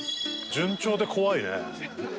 順調で怖いね。